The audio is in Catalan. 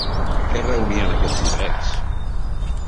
Què reunien aquests llibrets?